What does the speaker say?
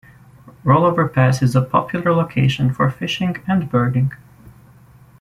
Rollover Pass is a popular location for fishing and birding.